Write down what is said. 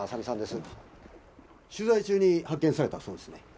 取材中に発見されたそうですね？